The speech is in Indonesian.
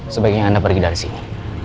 sebaiknya anda pergi dari sini